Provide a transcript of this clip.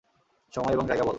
সময় এবং জায়গা বল।